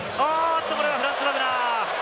これはフランツ・バグナー！